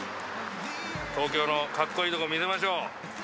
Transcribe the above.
東京のかっこいいところ見せましょう。